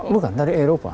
bukan dari eropa